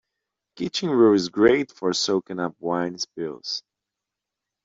Kitchen roll is great for soaking up wine spills.